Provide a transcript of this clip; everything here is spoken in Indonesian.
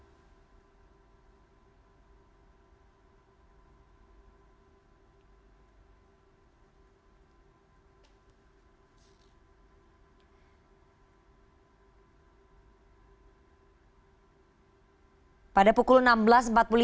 penjagaan sangat ketat saat ini diberlakukan di area mabes polri ataupun trunojoyo satu